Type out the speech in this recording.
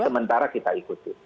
tapi sementara kita ikuti